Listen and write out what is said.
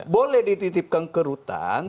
boleh dititipkan ke rutan